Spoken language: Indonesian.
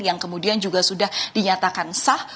yang kemudian juga sudah dinyatakan sah